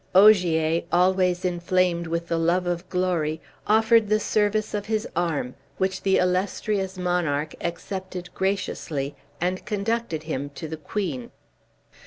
Ogier, always inflamed with the love of glory, offered the service of his arm, which the illustrious monarch accepted graciously, and conducted him to the queen.